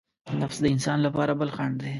نفس د انسان لپاره بل خڼډ دی.